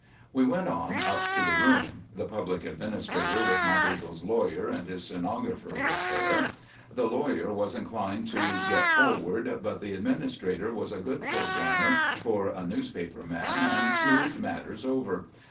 We went on up to the room. The Public Administrator, with Monteagle's lawyer and his stenographer, was there. The lawyer was inclined to get forward, but the Administrator was a good programer for a newspaper man and smoothed matters over.